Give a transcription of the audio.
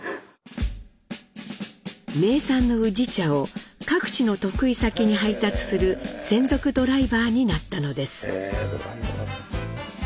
名産の宇治茶を各地の得意先に配達する専属ドライバーになったのです。